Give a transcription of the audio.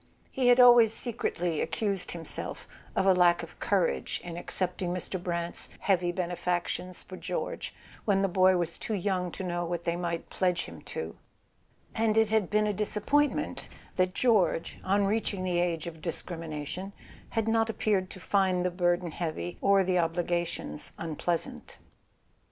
He had always secretly accused himself of a lack of courage in accepting Mr. Brant's heavy benefactions for George when the boy was too young to know what they might pledge him to; and it had been a disap¬ pointment that George, on reaching the age of dis¬ crimination, had not appeared to find the burden heavy, or the obligations unpleasant.